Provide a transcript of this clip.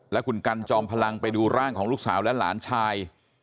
และคุณกันจอมพลังไปดูร่างของลูกสาวและหลานชาย